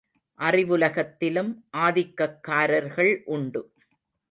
அறிவுலகத்திலும் ஆதிக்கக் காரர்கள் உண்டு.